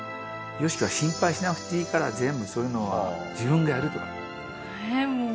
「ＹＯＳＨＩＫＩは心配しなくていいから全部そういうのは自分がやる」とかっていう。